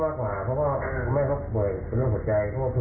อืมแล้วแม่เขาปวดจริงป่ะ